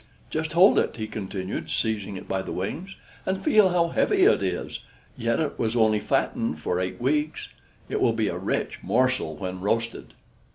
"Just hold it," he continued, seizing it by the wings, "and feel how heavy it is: yet it was only fattened for eight weeks. It will be a rich morsel when roasted."